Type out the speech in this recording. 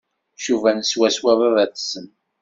Cuban swaswa baba-tsen.